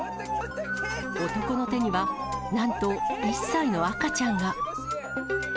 男の手には、なんと、１歳の赤ちゃんが。